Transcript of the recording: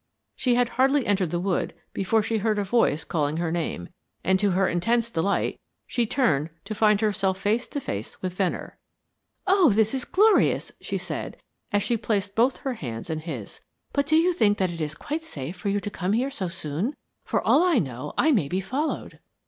She had hardly entered the wood before she heard a voice calling her name, and to her intense delight she turned to find herself face to face with Venner. "Oh, this is glorious," she said, as she placed both her hands in his. "But do you think that it is quite safe for you to come here so soon? For all I know, I may be followed.